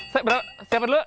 siap dulu bapak